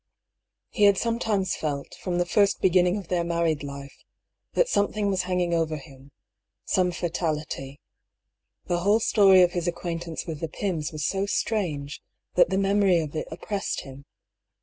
He had sometimes felt, from the first beginning of their married life, that something was hanging over him — some fatality. The whole story of his acquaintance with the Pyms was so strange, that the memory of it oppressed him.